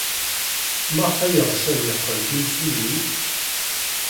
Maɣef ay yeɣs ad yeqqel d imsujji?